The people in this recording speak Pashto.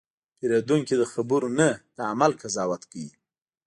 پیرودونکی د خبرو نه، د عمل قضاوت کوي.